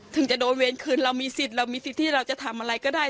ถึงจะโดนเวรคืนเรามีสิทธิ์เรามีสิทธิ์ที่เราจะทำอะไรก็ได้